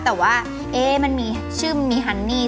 แต่ว่ามันมีชื่อมีฮันนี่